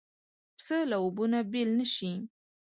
پسه له اوبو نه بېل نه شي.